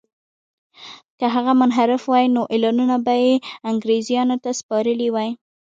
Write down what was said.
که هغه منحرف وای نو اعلانونه به یې انګرېزانو ته سپارلي وای.